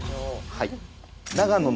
はい。